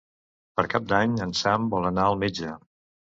Per Cap d'Any en Sam vol anar al metge.